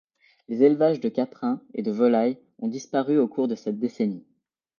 Les élevages de caprins et de volailles ont disparu au cours de cette décennie.